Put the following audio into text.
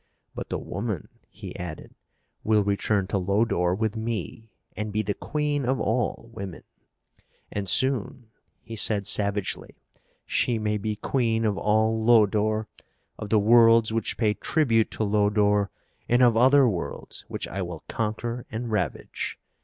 "But the woman," he added, "will return to Lodore with me and be the queen of all women. And soon," he said savagely, "she may be queen of all Lodore, of the worlds which pay tribute to Lodore, and of other worlds which I will conquer and ravage.